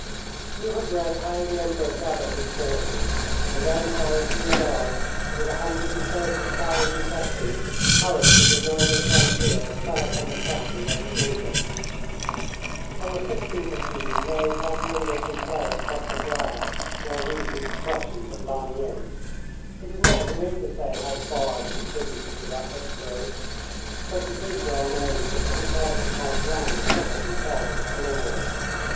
You have read how the Emperor gathered his forces, and then how he and I, with a hundred and thirty thousand veterans, hurried to the northern frontier and fell upon the Prussians and the English. On the 16th of June, Ney held the English in play at Quatre Bras while we beat the Prussians at Ligny. It is not for me to say how far I contributed to that victory, but it is well known that the Hussars of Conflans covered themselves with glory.